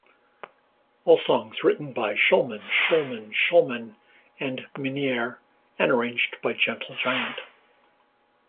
All songs written by Shulman, Shulman, Shulman and Minnear and arranged by Gentle Giant.